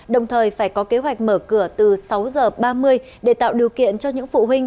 đồng thời phải có kế hoạch mở cửa từ sáu h ba mươi để tạo điều kiện cho những phụ huynh